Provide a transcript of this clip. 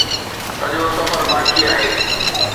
سڄو سفر باقي آهي